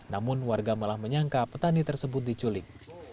namun warga malah menyangka petani tersebut diculik